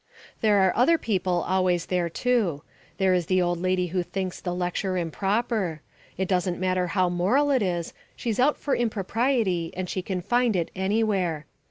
There are other people always there, too. There is the old lady who thinks the lecture improper; it doesn't matter how moral it is, she's out for impropriety and she can find it anywhere.